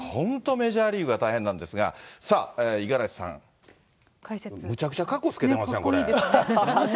メジャーリーグは大変なんですが、さあ、五十嵐さん、むちゃくちゃかっこつけてますやん、